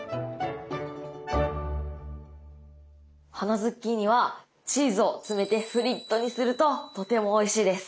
花ズッキーニはチーズを詰めてフリットにするととてもおいしいです。